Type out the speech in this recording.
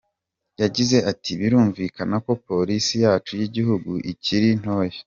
Yagize ati,"Birumvikana ko Polisi yacu y’igihugu ikiri ntoya.